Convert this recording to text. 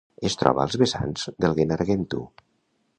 Es troba als vessants del Gennargentu.